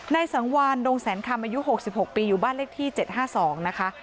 ในสังวานดงแสนคำอายุ๖๖ปีอยู่บ้านเลขที่๗๕๒นะคะ